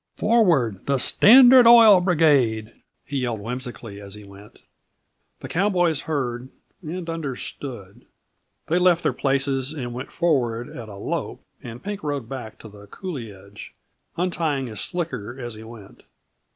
"Forward, the Standard Oil Brigade!" he yelled whimsically as he went. The cowboys heard and understood. They left their places and went forward at a lope, and Pink rode back to the coulee edge, untying his slicker as he went.